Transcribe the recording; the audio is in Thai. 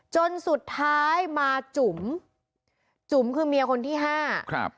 จนสุดท้ายมาจุ๋มจุ๋มคือเมียคนที่ห้าครับ